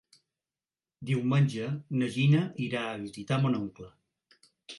Diumenge na Gina irà a visitar mon oncle.